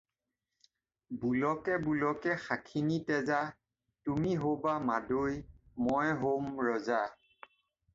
বোলকে বোলকে শাখিনী তেজা, তুমি হ'বা মাদৈ, মই হ'ম ৰজা।